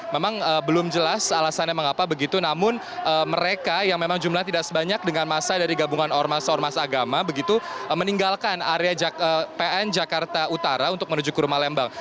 memang belum jelas alasannya mengapa begitu namun mereka yang memang jumlah tidak sebanyak dengan masa dari gabungan ormas ormas agama begitu meninggalkan area pn jakarta utara untuk menuju ke rumah lembang